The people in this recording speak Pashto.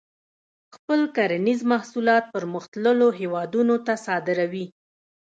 خپل کرنیز محصولات پرمختللو هیوادونو ته صادروي.